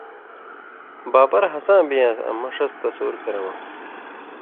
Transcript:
بابر ہَساں بِی یان٘س، آں مہ ݜَس تَصُور کَرَمَان٘س